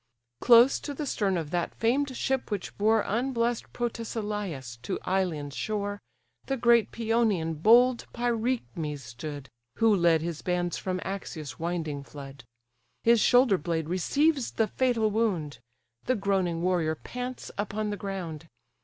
Close to the stern of that famed ship which bore Unbless'd Protesilaus to Ilion's shore, The great Pæonian, bold Pyrechmes stood; (Who led his bands from Axius' winding flood;) His shoulder blade receives the fatal wound; The groaning warrior pants upon the ground.